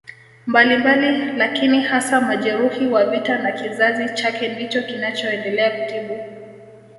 mbalimbali lakini hasa majeruhi wa vita na kizazi chake ndicho kinachoendelea kutibu